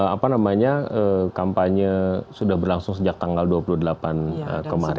apa namanya kampanye sudah berlangsung sejak tanggal dua puluh delapan kemarin